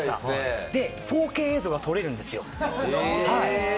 ４Ｋ映像が撮れるんですよ。